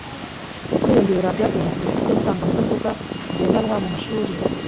Kwiyongera byatewe na politiki yo gutanga mudasobwa zigendanwa mu mashuri